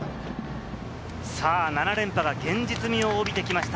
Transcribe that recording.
７連覇は現実味を帯びてきました。